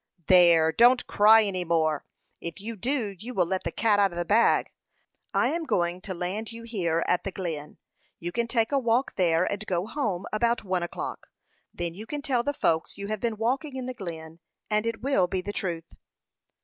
"There! don't cry any more; if you do, you will 'let the cat out of the bag.' I am going to land you here at the Glen. You can take a walk there, and go home about one o'clock. Then you can tell the folks you have been walking in the Glen; and it will be the truth."